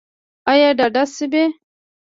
ایا ډاډه شوئ؟